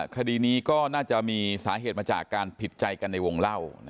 คดีนี้ก็น่าจะมีสาเหตุมาจากการผิดใจกันในวงเล่า